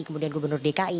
kemudian gubernur dki